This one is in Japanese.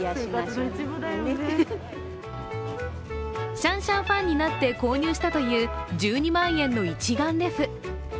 シャンシャンファンになって購入したという１２万円の一眼レフ。